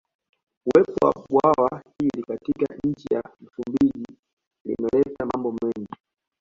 Uwepo wa bwawa hili katika nchi ya Msumbiji limeleta mambo mengi